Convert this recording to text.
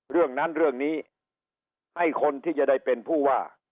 เรื่องนั้นเรื่องนี้ให้คนที่จะได้เป็นผู้ว่า